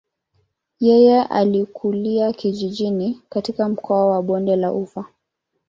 Yeye alikulia kijijini katika mkoa wa bonde la ufa.